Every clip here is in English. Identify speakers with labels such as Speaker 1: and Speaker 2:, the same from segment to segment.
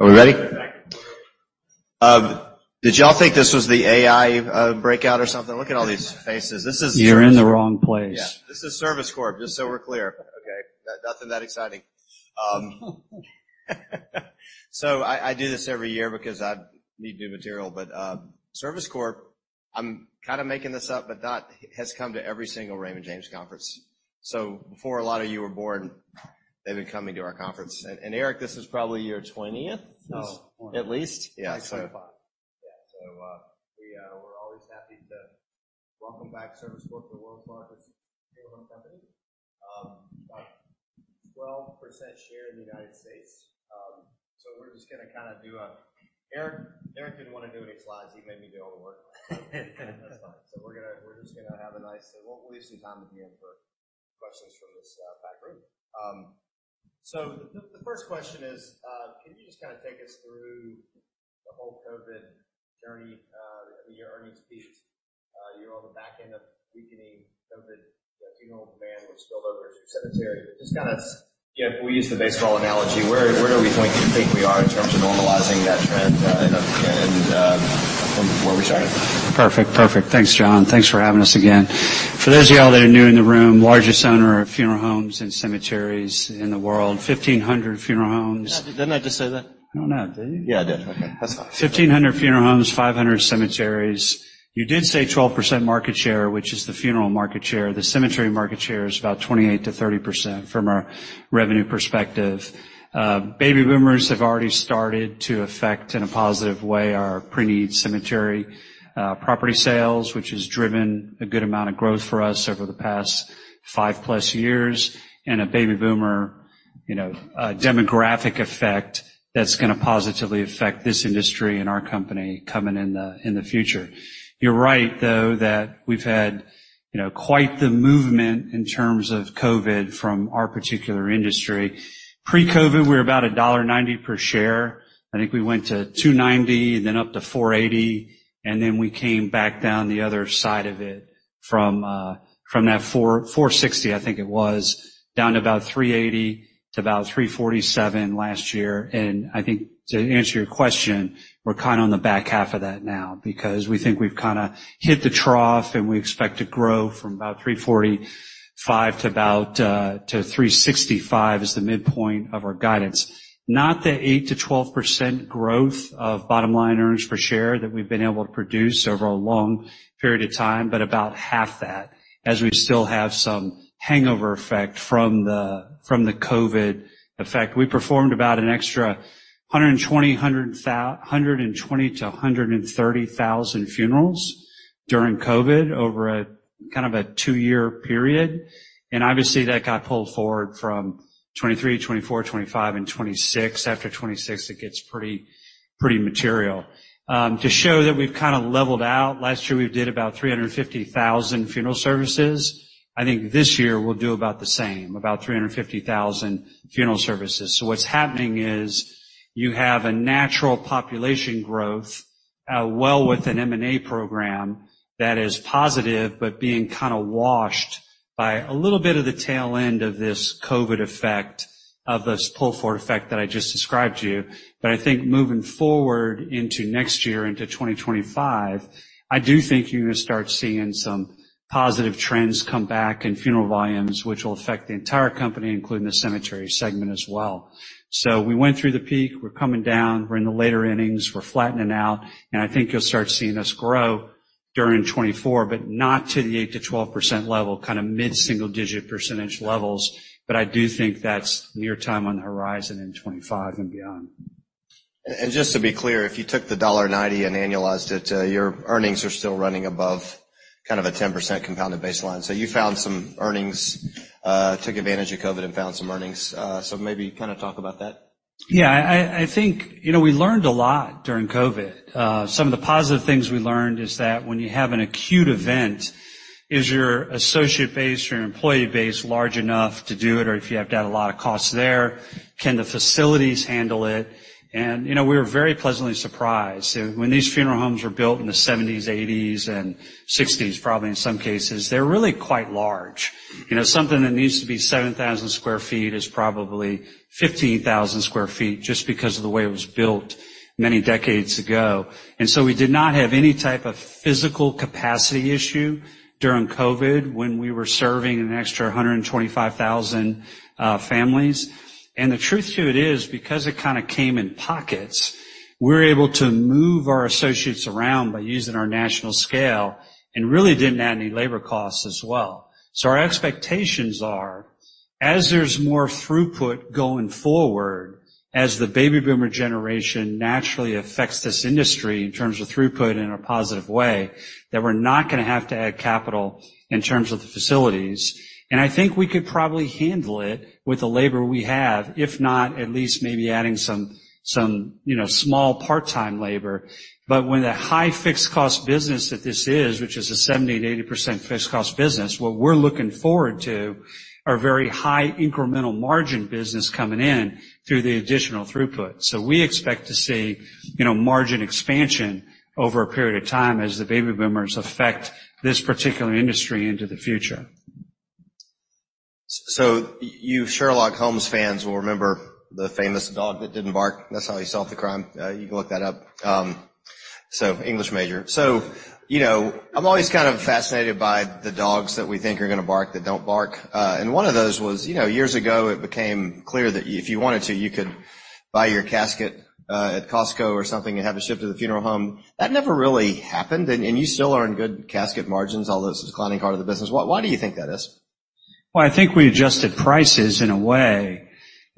Speaker 1: Are we ready? Did you all think this was the AI breakout or something? Look at all these faces. This is-
Speaker 2: You're in the wrong place.
Speaker 1: Yeah, this is Service Corp, just so we're clear. Okay, nothing that exciting. So I do this every year because I need new material, but Service Corp, I'm kinda making this up, but that has come to every single Raymond James conference. So before a lot of you were born, they've been coming to our conference. And Eric, this is probably your 20th?
Speaker 3: No.
Speaker 1: At least?
Speaker 3: Yeah, 25.
Speaker 1: Yeah. So, we're always happy to welcome back Service Corp, the world's largest funeral home company. Like, 12% share in the United States. So we're just gonna kinda do a Eric, Eric didn't wanna do any slides. He made me do all the work. That's fine. So we're gonna we're just gonna have a nice... We'll leave some time at the end for questions from this back room. So the first question is, can you just kinda take us through the whole COVID journey, your earnings piece? You're on the back end of weakening COVID, the funeral demand was spilled over to cemeteries. Just kinda, if we use the baseball analogy, where do we think we are in terms of normalizing that trend, and from where we started?
Speaker 2: Perfect. Perfect. Thanks, John. Thanks for having us again. For those of you all that are new in the room, largest owner of funeral homes and cemeteries in the world, 1,500 funeral homes.
Speaker 1: Didn't I just say that?
Speaker 2: I don't know. Did you?
Speaker 1: Yeah, I did. Okay, that's all.
Speaker 2: 1,500 funeral homes, 500 cemeteries. You did say 12% market share, which is the funeral market share. The cemetery market share is about 28%-30% from a revenue perspective. Baby Boomers have already started to affect, in a positive way, our preneed cemetery property sales, which has driven a good amount of growth for us over the past five plus years, and a baby boomer, you know, demographic effect that's gonna positively affect this industry and our company coming in the, in the future. You're right, though, that we've had quite the movement in terms of COVID from our particular industry. Pre-COVID, we were about $1.90 per share. I think we went to $2.90, then up to $4.80, and then we came back down the other side of it from that $4.60, I think it was, down to about $3.80 to about $3.47 last year. And I think to answer your question, we're kind of on the back half of that now, because we think we've kinda hit the trough, and we expect to grow from about $3.45 to about $3.65 is the midpoint of our guidance. Not the 8%-12% growth of bottom line earnings per share that we've been able to produce over a long period of time, but about half that, as we still have some hangover effect from the COVID effect. We performed about an extra 120 to 130 thousand funerals during COVID over a kind of a two-year period. Obviously, that got pulled forward from 2023, 2024, 2025, and 2026. After 2026, it gets pretty material. To show that we've kinda leveled out, last year, we did about 350,000 funeral services. I think this year we'll do about the same, about 350,000 funeral services. What's happening is you have a natural population growth, well, with an M&A program that is positive, but being kinda washed by a little bit of the tail end of this COVID effect, of this pull-forward effect that I just described to you. I think moving forward into next year, into 2025, I do think you're gonna start seeing some positive trends come back in funeral volumes, which will affect the entire company, including the cemetery segment as well. We went through the peak, we're coming down, we're in the later innings, we're flattening out, and I think you'll start seeing us grow during 2024, but not to the 8%-12% level, kinda mid-single digit percentage levels. I do think that's near time on the horizon in 2025 and beyond.
Speaker 1: Just to be clear, if you took the $1.90 and annualized it, your earnings are still running above kind of a 10% compounded baseline. So you found some earnings, took advantage of COVID and found some earnings. So maybe kind of talk about that.
Speaker 2: Yeah, I think, you know, we learned a lot during COVID. Some of the positive things we learned is that when you have an acute event, is your associate base, your employee base, large enough to do it? Or if you have to add a lot of costs there, can the facilities handle it? And, you know, we were very pleasantly surprised. When these funeral homes were built in the 1970s, 1980s, and 1960s, probably in some cases, they're really quite large. You know, something that needs to be 7,000 sq ft is probably 15,000 sq ft just because of the way it was built many decades ago. And so we did not have any type of physical capacity issue during COVID when we were serving an extra 125,000 families. The truth to it is, because it kinda came in pockets, we're able to move our associates around by using our national scale and really didn't add any labor costs as well. So our expectations are, as there's more throughput going forward, as the baby boomer generation naturally affects this industry in terms of throughput in a positive way, that we're not gonna have to add capital in terms of the facilities. And I think we could probably handle it with the labor we have, if not, at least maybe adding some, you know, small part-time labor. But when the high fixed cost business that this is, which is a 70%-80% fixed cost business, what we're looking forward to are very high incremental margin business coming in through the additional throughput. We expect to see, you know, margin expansion over a period of time as the Baby Boomers affect this particular industry into the future....
Speaker 1: So, you, Sherlock Holmes fans will remember the famous dog that didn't bark. That's how he solved the crime. You can look that up. So English major. So, you know, I'm always kind of fascinated by the dogs that we think are gonna bark, that don't bark. And one of those was, you know, years ago, it became clear that if you wanted to, you could buy your casket at Costco or something, and have it shipped to the funeral home. That never really happened, and you still are in good casket margins, although this is the declining part of the business. Why do you think that is?
Speaker 2: Well, I think we adjusted prices in a way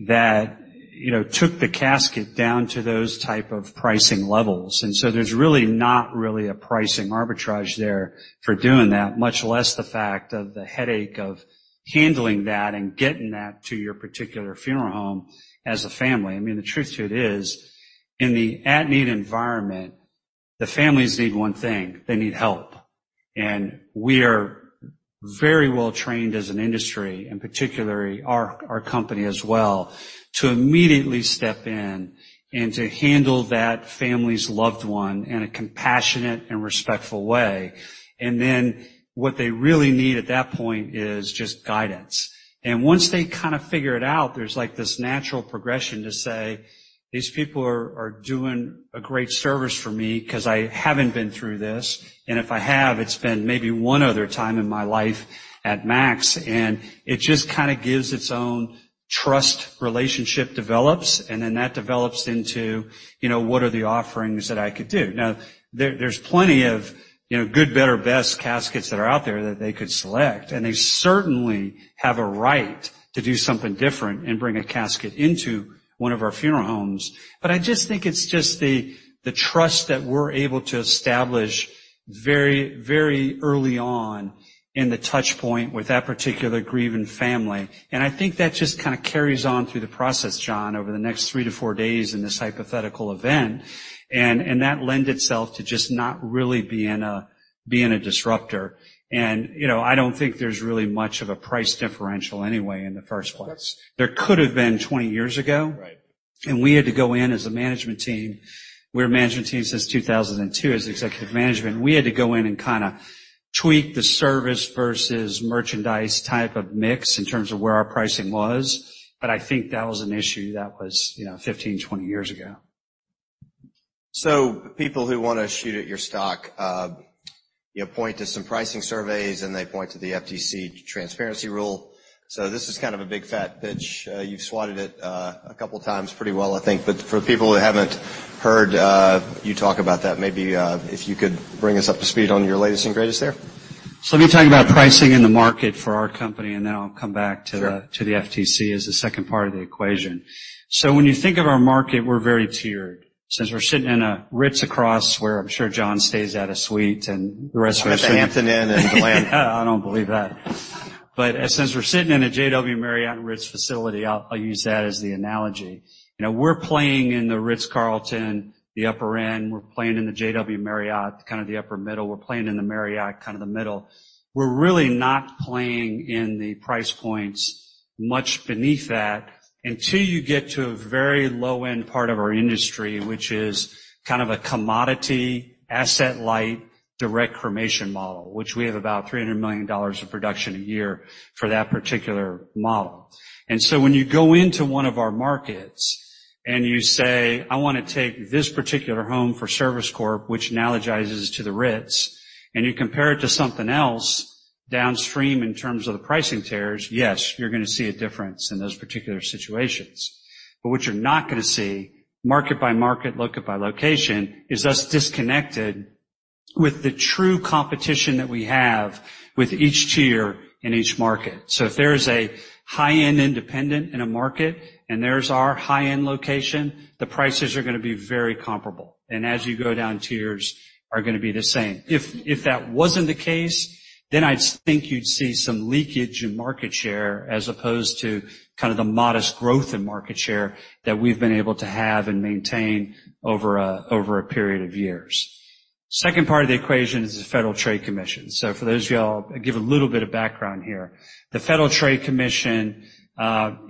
Speaker 2: that, you know, took the casket down to those type of pricing levels, and so there's really not really a pricing arbitrage there for doing that, much less the fact of the headache of handling that and getting that to your particular funeral home as a family. I mean, the truth to it is, in the at-need environment, the families need one thing: They need help, and we are very well trained as an industry, and particularly our company as well, to immediately step in and to handle that family's loved one in a compassionate and respectful way. And then, what they really need at that point is just guidance. Once they kind of figure it out, there's like this natural progression to say, "These people are doing a great service for me 'cause I haven't been through this, and if I have, it's been maybe one other time in my life at max." It just kind of gives its own trust, relationship develops, and then that develops into, you know, what are the offerings that I could do? Now, there, there's plenty of, you know, good, better, best caskets that are out there that they could select, and they certainly have a right to do something different and bring a casket into one of our funeral homes. I just think it's just the trust that we're able to establish very, very early on in the touchpoint with that particular grieving family. I think that just kind of carries on through the process, John, over the next three to four days in this hypothetical event, and that lend itself to just not really being a disruptor. And, you know, I don't think there's really much of a price differential anyway in the first place.
Speaker 3: Yes.
Speaker 2: There could have been 20 years ago.
Speaker 3: Right.
Speaker 2: We had to go in as a management team. We're a management team since 2002, as executive management, we had to go in and kinda tweak the service versus merchandise type of mix in terms of where our pricing was, but I think that was an issue that was, you know, 15, 20 years ago.
Speaker 1: So people who wanna shoot at your stock, you know, point to some pricing surveys, and they point to the FTC transparency rule. So this is kind of a big, fat pitch. You've swatted it, a couple times pretty well, I think. But for people who haven't heard, you talk about that, maybe, if you could bring us up to speed on your latest and greatest there.
Speaker 2: So let me talk about pricing in the market for our company, and then I'll come back to the-
Speaker 1: Sure...
Speaker 2: to the FTC as the second part of the equation. So when you think of our market, we're very tiered. Since we're sitting in a Ritz across where I'm sure John stays at a suite and the rest of us-
Speaker 1: At the Hampton Inn in Atlanta.
Speaker 2: I don't believe that. But since we're sitting in a JW Marriott Ritz facility, I'll use that as the analogy. You know, we're playing in the Ritz-Carlton, the upper end, we're playing in the JW Marriott, kind of the upper middle. We're playing in the Marriott, kind of the middle. We're really not playing in the price points much beneath that until you get to a very low end part of our industry, which is kind of a commodity, asset light, direct cremation model, which we have about $300 million of production a year for that particular model. And so when you go into one of our markets and you say: I wanna take this particular home for Service Corp, which analogizes to the Ritz, and you compare it to something else downstream in terms of the pricing tiers, yes, you're gonna see a difference in those particular situations. But what you're not gonna see, market by market, location by location, is us disconnected with the true competition that we have with each tier in each market. So if there is a high-end independent in a market, and there's our high-end location, the prices are gonna be very comparable, and as you go down, tiers are gonna be the same. If that wasn't the case, then I'd think you'd see some leakage in market share as opposed to kind of the modest growth in market share that we've been able to have and maintain over a, over a period of years. Second part of the equation is the Federal Trade Commission. So for those of y'all, I'll give a little bit of background here. The Federal Trade Commission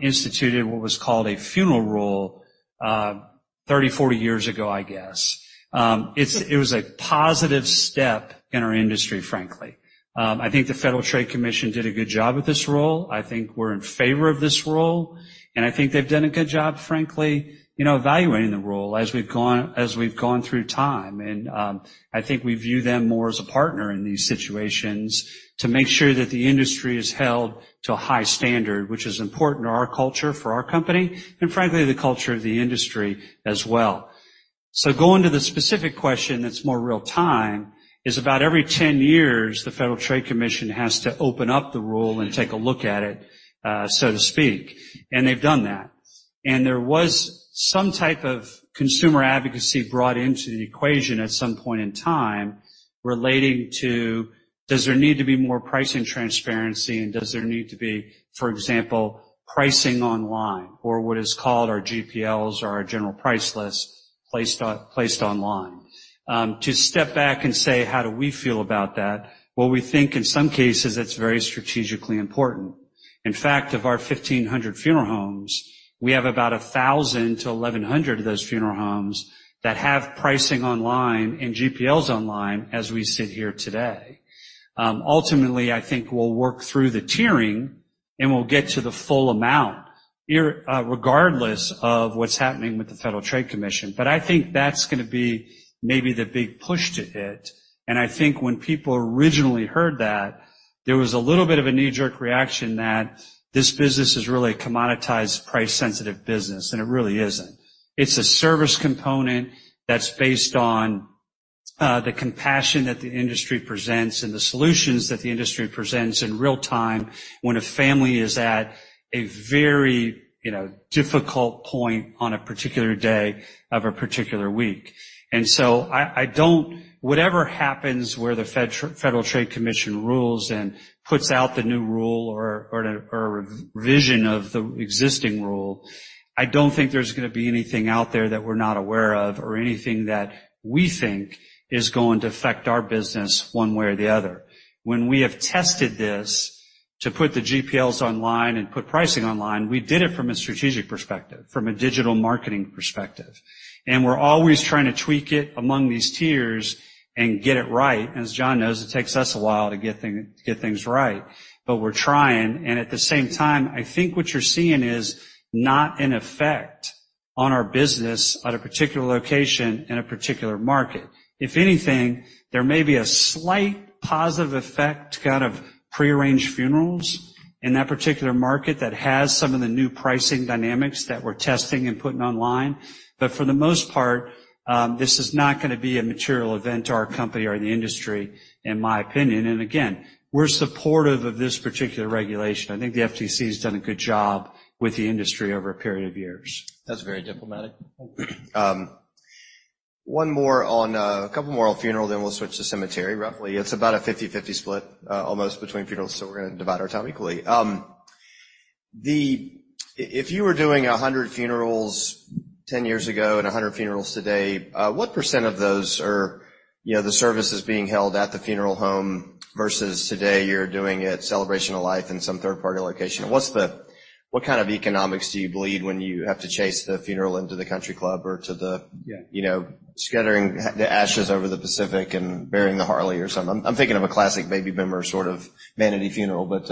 Speaker 2: instituted what was called a Funeral Rule, 30-40 years ago, I guess. It was a positive step in our industry, frankly. I think the Federal Trade Commission did a good job with this rule. I think we're in favor of this rule, and I think they've done a good job, frankly, you know, evaluating the rule as we've gone, as we've gone through time. I think we view them more as a partner in these situations to make sure that the industry is held to a high standard, which is important to our culture, for our company, and frankly, the culture of the industry as well. So going to the specific question that's more real time, is about every 10 years, the Federal Trade Commission has to open up the rule and take a look at it, so to speak, and they've done that. There was some type of consumer advocacy brought into the equation at some point in time, relating to: Does there need to be more pricing transparency, and does there need to be, for example, pricing online or what is called our GPLs, or our General Price List, placed online? To step back and say: How do we feel about that? Well, we think in some cases it's very strategically important. In fact, of our 1,500 funeral homes, we have about 1,000-1,100 of those funeral homes that have pricing online and GPLs online as we sit here today. Ultimately, I think we'll work through the tiering, and we'll get to the full amount, regardless of what's happening with the Federal Trade Commission. But I think that's gonna be maybe the big push to hit, and I think when people originally heard that, there was a little bit of a knee-jerk reaction that this business is really a commoditized, price-sensitive business, and it really isn't. It's a service component that's based on the compassion that the industry presents and the solutions that the industry presents in real time when a family is at a very, you know, difficult point on a particular day of a particular week. And so I don't—whatever happens where the Federal Trade Commission rules and puts out the new rule or revision of the existing rule, I don't think there's gonna be anything out there that we're not aware of or anything that we think is going to affect our business one way or the other. When we have tested this, to put the GPLs online and put pricing online, we did it from a strategic perspective, from a digital marketing perspective, and we're always trying to tweak it among these tiers and get it right. As John knows, it takes us a while to get things right, but we're trying, and at the same time, I think what you're seeing is not an effect on our business at a particular location in a particular market. If anything, there may be a slight positive effect, kind of prearranged funerals in that particular market that has some of the new pricing dynamics that we're testing and putting online. But for the most part, this is not gonna be a material event to our company or the industry, in my opinion. And again, we're supportive of this particular regulation. I think the FTC has done a good job with the industry over a period of years.
Speaker 1: That's very diplomatic. One more on a couple more on funeral, then we'll switch to cemetery. Roughly, it's about a 50/50 split almost between funerals, so we're gonna divide our time equally. If you were doing 100 funerals 10 years ago and 100 funerals today, what % of those are, you know, the services being held at the funeral home versus today, you're doing it celebration of life in some third-party location? What's what kind of economics do you bleed when you have to chase the funeral into the country club or to the-
Speaker 2: Yeah...
Speaker 1: you know, scattering the ashes over the Pacific and burying the Harley or something? I'm thinking of a classic baby boomer sort of vanity funeral, but,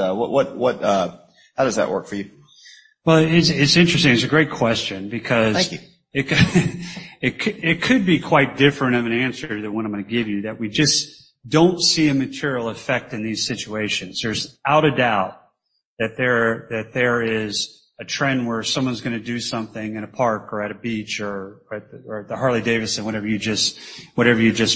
Speaker 1: how does that work for you?
Speaker 2: Well, it's, it's interesting. It's a great question because-
Speaker 1: Thank you.
Speaker 2: It could be quite different from an answer than what I'm gonna give you, that we just don't see a material effect in these situations. There's no doubt that there is a trend where someone's gonna do something in a park or at a beach or the Harley-Davidson, whatever you just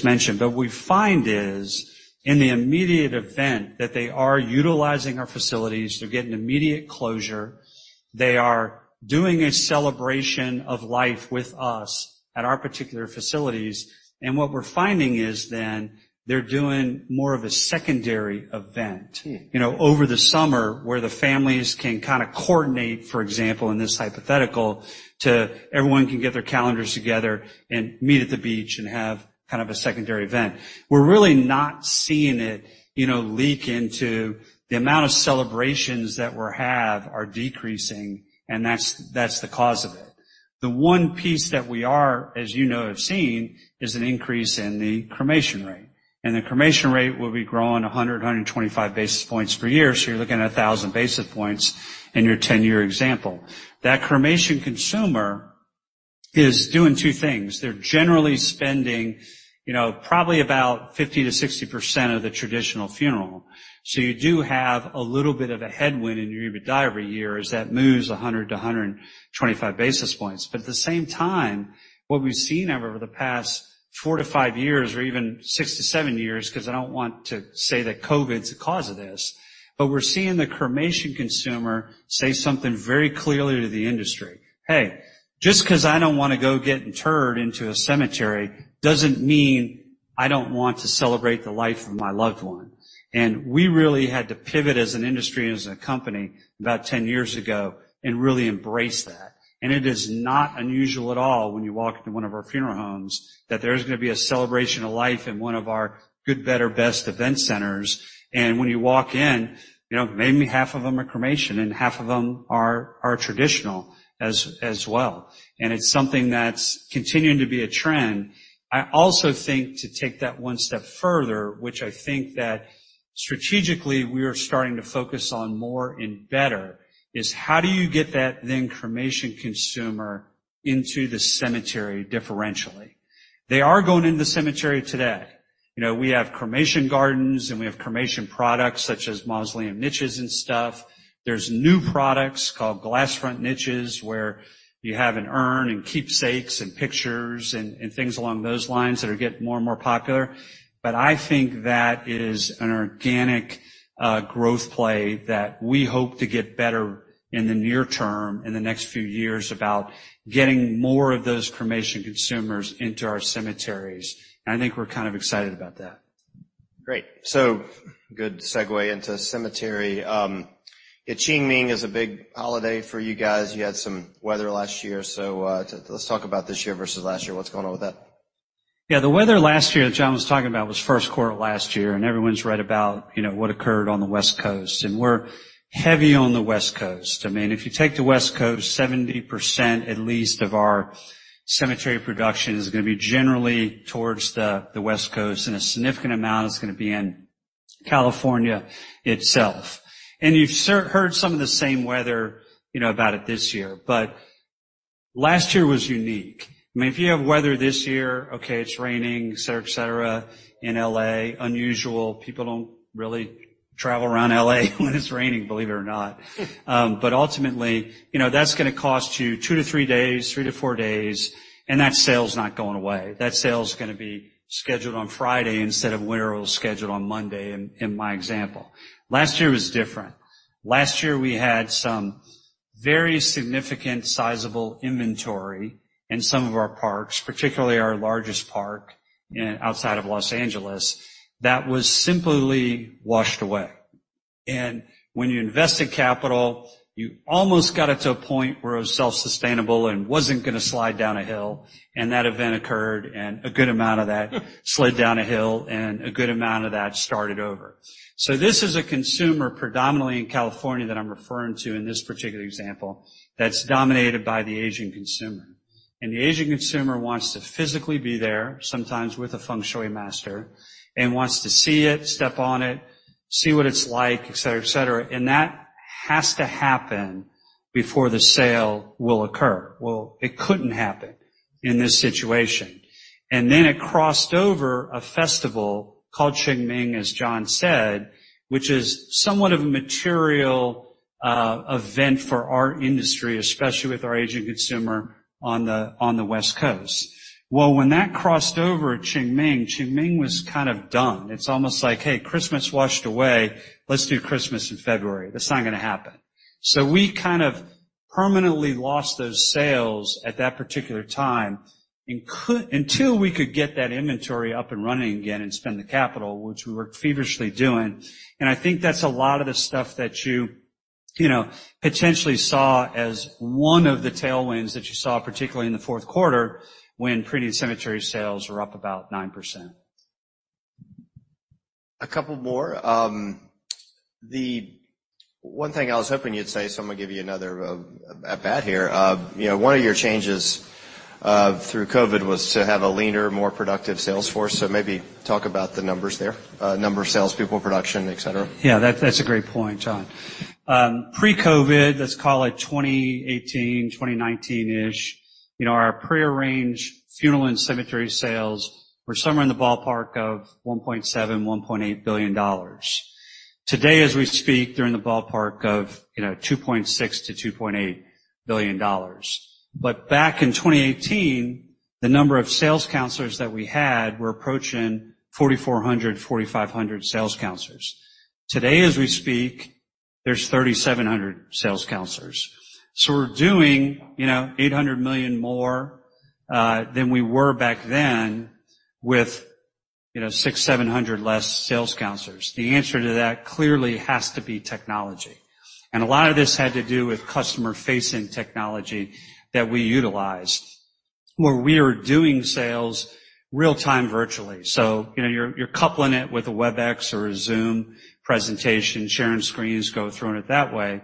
Speaker 2: mentioned. But what we find is, in the immediate event that they are utilizing our facilities to get an immediate closure, they are doing a celebration of life with us at our particular facilities, and what we're finding is then they're doing more of a secondary event.
Speaker 1: Mm.
Speaker 2: You know, over the summer, where the families can kind of coordinate, for example, in this hypothetical, to everyone can get their calendars together and meet at the beach and have kind of a secondary event. We're really not seeing it, you know, leak into the amount of celebrations that we have are decreasing, and that's, that's the cause of it. The one piece that we are, as you know, have seen, is an increase in the cremation rate, and the cremation rate will be growing 100-125 basis points per year, so you're looking at 1,000 basis points in your 10-year example. That cremation consumer is doing two things: They're generally spending, you know, probably about 50%-60% of the traditional funeral. So you do have a little bit of a headwind in your EBITDA every year as that moves 100-125 basis points. But at the same time, what we've seen over the past four to five years, or even six to seven years, 'cause I don't want to say that COVID's the cause of this, but we're seeing the cremation consumer say something very clearly to the industry: "Hey, just 'cause I don't wanna go get interred into a cemetery, doesn't mean I don't want to celebrate the life of my loved one." And we really had to pivot as an industry and as a company about 10 years ago and really embrace that. It is not unusual at all when you walk into one of our funeral homes, that there's gonna be a celebration of life in one of our good, better, best event centers. When you walk in, you know, maybe half of them are cremation and half of them are, are traditional as, as well, and it's something that's continuing to be a trend. I also think, to take that one step further, which I think that strategically we are starting to focus on more and better, is how do you get that then cremation consumer into the cemetery differentially? They are going into the cemetery today. You know, we have cremation gardens, and we have cremation products, such as mausoleum niches and stuff. There's new products called glass-front niches, where you have an urn and keepsakes and pictures and things along those lines that are getting more and more popular. But I think that is an organic growth play that we hope to get better in the near term, in the next few years, about getting more of those cremation consumers into our cemeteries. I think we're kind of excited about that.
Speaker 1: Great. So good segue into cemetery. Qingming is a big holiday for you guys. You had some weather last year, so, let's talk about this year versus last year. What's going on with that?
Speaker 2: Yeah, the weather last year that John was talking about was first quarter last year, and everyone's right about, you know, what occurred on the West Coast, and we're heavy on the West Coast. I mean, if you take the West Coast, 70%, at least, of our cemetery production is gonna be generally towards the West Coast, and a significant amount is gonna be in California itself. And you've certainly heard some of the same weather, you know, about it this year, but last year was unique. I mean, if you have weather this year, okay, it's raining, et cetera, et cetera, in L.A., unusual. People don't really travel around L.A. when it's raining, believe it or not. But ultimately, you know, that's gonna cost you two to three days, three to four days, and that sale's not going away. That sale's gonna be scheduled on Friday instead of where it was scheduled on Monday, in my example. Last year was different. Last year, we had some very significant sizable inventory in some of our parks, particularly our largest park outside of Los Angeles, that was simply washed away. And when you invested capital, you almost got it to a point where it was self-sustainable and wasn't gonna slide down a hill, and that event occurred, and a good amount of that slid down a hill, and a good amount of that started over. So this is a consumer, predominantly in California, that I'm referring to in this particular example, that's dominated by the Asian consumer. The Asian consumer wants to physically be there, sometimes with a feng shui master, and wants to see it, step on it, see what it's like, et cetera, et cetera, and that has to happen before the sale will occur. Well, it couldn't happen in this situation. Then it crossed over a festival called Qingming, as John said, which is somewhat of a material event for our industry, especially with our aging consumer on the West Coast. Well, when that crossed over Qingming, Qingming was kind of done. It's almost like, "Hey, Christmas washed away. Let's do Christmas in February." That's not gonna happen. So we kind of permanently lost those sales at that particular time, and until we could get that inventory up and running again and spend the capital, which we were feverishly doing, and I think that's a lot of the stuff that you, you know, potentially saw as one of the tailwinds that you saw, particularly in the fourth quarter, when preneed cemetery sales were up about 9%.
Speaker 1: A couple more. The one thing I was hoping you'd say, so I'm gonna give you another at bat here. You know, one of your changes through COVID was to have a leaner, more productive sales force. So maybe talk about the numbers there, number of salespeople, production, et cetera.
Speaker 3: Yeah, that, that's a great point, John. Pre-COVID, let's call it 2018, 2019-ish, you know, our prearranged funeral and cemetery sales were somewhere in the ballpark of $1.7 -1.8 billion. Today, as we speak, they're in the ballpark of, you know, $2.6-2.8 billion. But back in 2018, the number of sales counselors that we had were approaching 4,400-4,500 sales counselors. Today, as we speak, there's 3,700 sales counselors. So we're doing, you know, $800 million more than we were back then with, you know, 600-700 less sales counselors. The answer to that clearly has to be technology. A lot of this had to do with customer-facing technology that we utilized, where we are doing sales real-time virtually. So you know, you're, you're coupling it with a Webex or a Zoom presentation, sharing screens, go through it that way.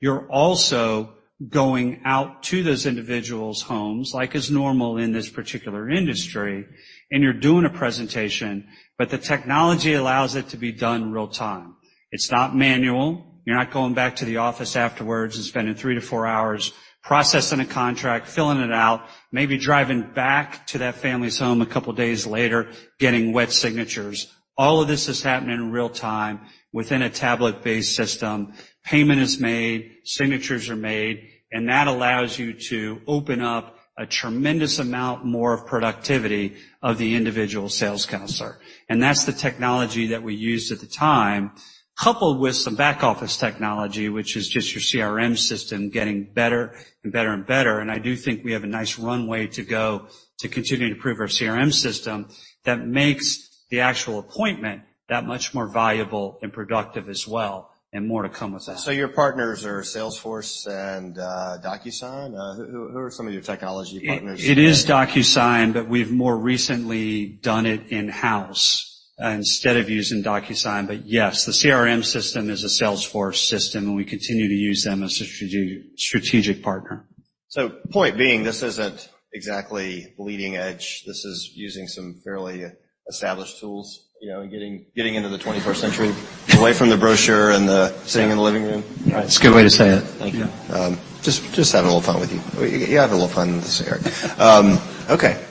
Speaker 3: You're also going out to those individuals' homes, like is normal in this particular industry, and you're doing a presentation, but the technology allows it to be done real-time. It's not manual. You're not going back to the office afterwards and spending three to four hours processing a contract, filling it out, maybe driving back to that family's home a couple days later, getting wet signatures. All of this is happening in real time within a tablet-based system. Payment is made, signatures are made, and that allows you to open up a tremendous amount more of productivity of the individual sales counselor. That's the technology that we used at the time, coupled with some back-office technology, which is just your CRM system getting better and better and better. I do think we have a nice runway to go to continue to improve our CRM system that makes the actual appointment that much more valuable and productive as well, and more to come with that.
Speaker 1: Your partners are Salesforce and DocuSign? Who are some of your technology partners?
Speaker 2: It is DocuSign, but we've more recently done it in-house instead of using DocuSign. But yes, the CRM system is a Salesforce system, and we continue to use them as a strategic partner.
Speaker 1: So point being, this isn't exactly leading edge. This is using some fairly established tools, you know, and getting into the 21st century, away from the brochure and the sitting in the living room.
Speaker 3: Right. It's a good way to say it.
Speaker 1: Thank you.
Speaker 2: Yeah.
Speaker 1: Just having a little fun with you. You have a little fun with this, Eric. Okay.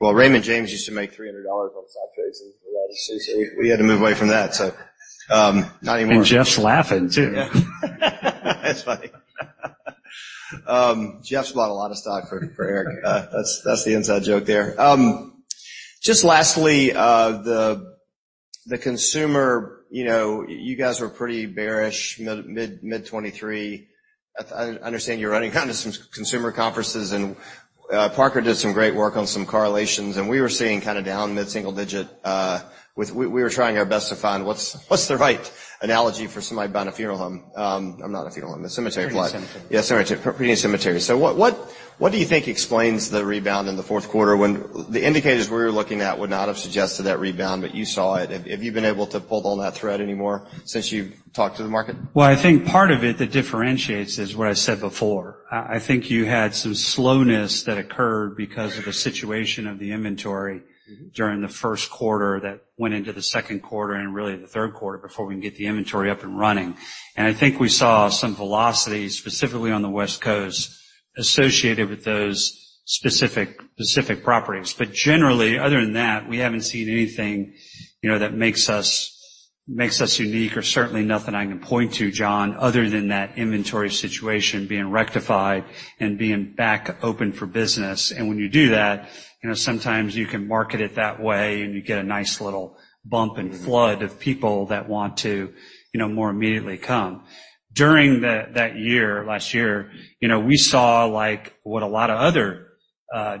Speaker 1: Well, Raymond James used to make $300 on stock trades, and so we had to move away from that. So, not anymore.
Speaker 2: And Jeff's laughing, too.
Speaker 1: Yeah. That's funny. Jeff's bought a lot of stock for, for Eric. That's, that's the inside joke there. Just lastly, the, the consumer, you know, you guys were pretty bearish mid, mid 2023. I understand you're running kind of some consumer conferences, and, Parker did some great work on some correlations, and we were seeing kind of down mid-single digit, with... We were trying our best to find what's, what's the right analogy for somebody buying a funeral home? Or not a funeral home, a cemetery plot.
Speaker 2: Preneed cemetery.
Speaker 1: Yeah, cemetery, preneed cemetery. So what do you think explains the rebound in the fourth quarter when the indicators we were looking at would not have suggested that rebound, but you saw it? Have you been able to pull on that thread anymore since you've talked to the market?
Speaker 2: Well, I think part of it that differentiates is what I said before. I, I think you had some slowness that occurred because of the situation of the inventory-
Speaker 1: Mm-hmm
Speaker 2: during the first quarter that went into the second quarter and really the third quarter before we can get the inventory up and running. And I think we saw some velocity, specifically on the West Coast... associated with those specific, specific properties. But generally, other than that, we haven't seen anything, you know, that makes us, makes us unique or certainly nothing I can point to, John, other than that inventory situation being rectified and being back open for business. And when you do that, you know, sometimes you can market it that way, and you get a nice little bump and flood of people that want to, you know, more immediately come. During that year, last year, you know, we saw like, what a lot of other,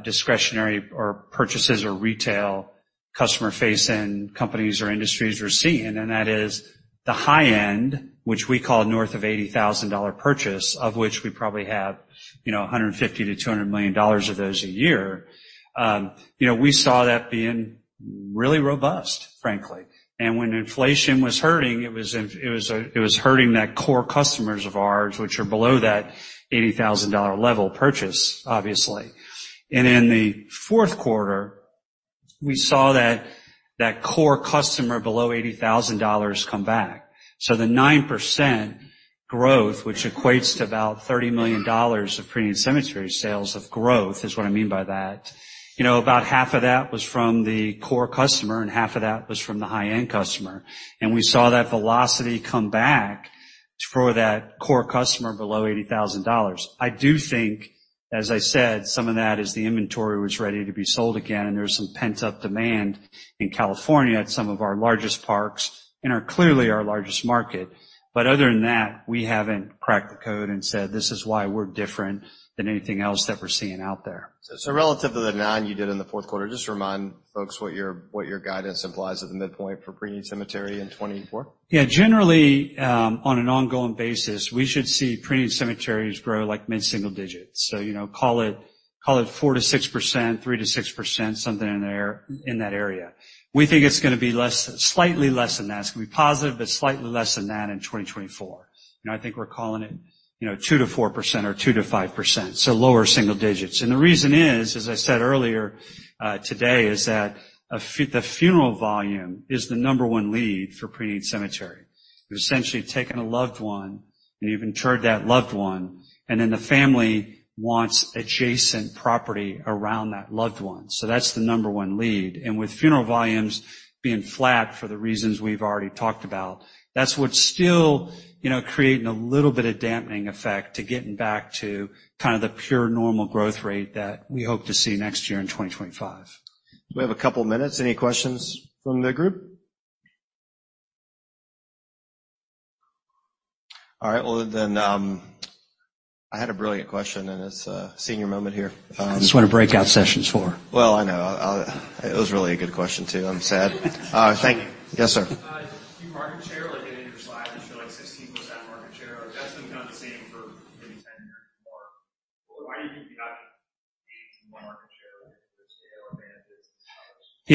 Speaker 2: discretionary or purchases or retail customer-facing companies or industries were seeing, and that is the high end, which we call north of $80,000 purchase, of which we probably have, you know, $150-200 million of those a year. You know, we saw that being really robust, frankly. And when inflation was hurting, it was hurting that core customers of ours, which are below that $80,000 level purchase, obviously. And in the fourth quarter, we saw that core customer below $80,000 come back. So the 9% growth, which equates to about $30 million of preneed cemetery sales of growth, is what I mean by that. You know, about half of that was from the core customer, and half of that was from the high-end customer, and we saw that velocity come back for that core customer below $80,000. I do think, as I said, some of that is the inventory, which is ready to be sold again, and there's some pent-up demand in California at some of our largest parks, and are clearly our largest market. But other than that, we haven't cracked the code and said, "This is why we're different than anything else that we're seeing out there.
Speaker 1: Relative to the 9 you did in the fourth quarter, just remind folks what your guidance implies at the midpoint for preneed cemetery in 2024?
Speaker 2: Yeah, generally, on an ongoing basis, we should see preneed cemeteries grow like mid-single digits. So, you know, call it, call it 4%-6%, 3%-6%, something in there, in that area. We think it's gonna be less, slightly less than that. It's going to be positive, but slightly less than that in 2024. You know, I think we're calling it, you know, 2%-4% or 2%-5%, so lower single digits. And the reason is, as I said earlier, today, is that the funeral volume is the number one lead for preneed cemetery. You're essentially taking a loved one, and you've interred that loved one, and then the family wants adjacent property around that loved one. So that's the number one lead. With funeral volumes being flat for the reasons we've already talked about, that's what's still, you know, creating a little bit of dampening effect to getting back to kind of the pure, normal growth rate that we hope to see next year in 2025.
Speaker 3: We have a couple of minutes. Any questions from the group? All right, well, then, I had a brilliant question, and it's a senior moment here.
Speaker 2: That's what a breakout session's for.
Speaker 3: Well, I know. It was really a good question, too. I'm sad. Thank you. Yes, sir.
Speaker 4: Your market share, like, in your slides, you show, like, 16% market share. That's been kind of the same for maybe 10 years or more. Why do you think you have market share?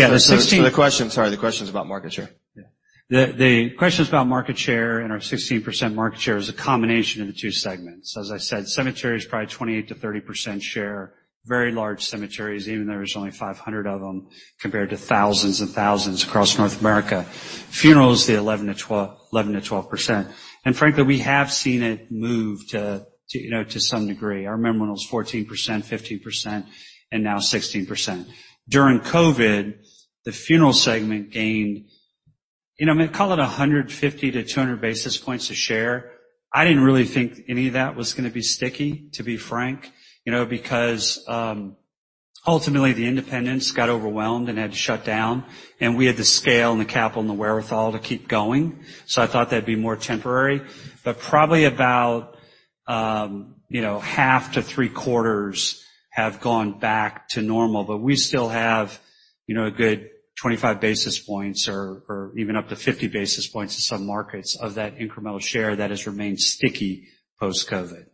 Speaker 2: Yeah, the 16-
Speaker 3: The question, sorry, the question is about market share.
Speaker 2: Yeah. The question is about market share, and our 16% market share is a combination of the two segments. So as I said, cemetery is probably 28%-30% share, very large cemeteries, even though there's only 500 of them, compared to thousands and thousands across North America. Funeral is the 11%-12%, 11%-12%. And frankly, we have seen it move to, you know, to some degree. Our memorial's 14%, 15%, and now 16%. During COVID, the funeral segment gained, you know, call it 150-200 basis points a share. I didn't really think any of that was gonna be sticky, to be frank, you know, because ultimately, the independents got overwhelmed and had to shut down, and we had the scale and the capital and the wherewithal to keep going. So I thought that'd be more temporary, but probably about, you know, half to three-quarters have gone back to normal. But we still have, you know, a good 25 basis points or even up to 50 basis points in some markets of that incremental share that has remained sticky post-COVID.